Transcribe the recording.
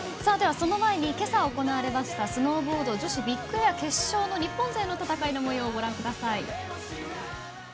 その前に今朝行われましたスノーボード女子ビッグエア決勝の日本勢の戦いの模様、ご覧ください。